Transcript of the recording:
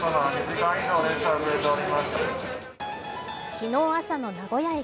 昨日朝の名古屋駅。